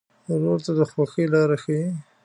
ورور ته د خوښۍ لاره ښيي.